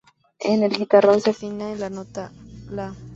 En el guitarrón, se afina en la nota la.